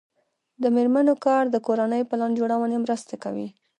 د میرمنو کار د کورنۍ پلان جوړونې مرسته کوي.